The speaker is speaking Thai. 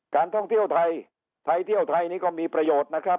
การท่องเที่ยวไทยไทยเที่ยวไทยนี่ก็มีประโยชน์นะครับ